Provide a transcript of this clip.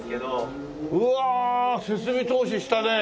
うわ設備投資したね！